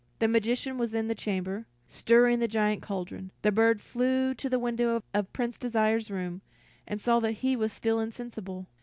The magician was in the chamber, stirring the giant cauldron. The bird flew to the window of Prince Desire's room, and saw that he was still insensible.